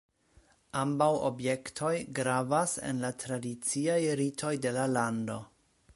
Ambaŭ objektoj gravas en la tradiciaj ritoj de la lando.